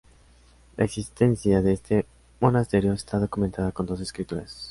La existencia de este monasterio está documentada con dos escrituras.